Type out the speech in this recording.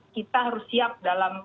kita harus siap dalam